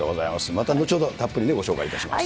また後程、たっぷりご紹介いたします。